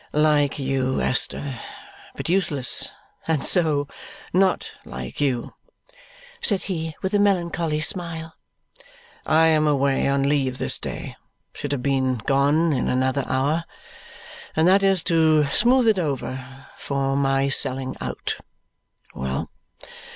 "Like you, Esther, but useless, and so NOT like you!" said he with a melancholy smile. "I am away on leave this day should have been gone in another hour and that is to smooth it over, for my selling out. Well!